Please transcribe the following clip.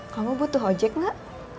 kamu butuh ojek gak